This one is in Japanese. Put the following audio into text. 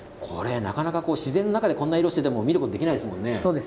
なかなか自然の中でこんな色をしていてのは見ることができないですものね。